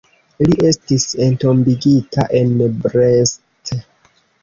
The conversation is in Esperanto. Li estis entombigita en Brest.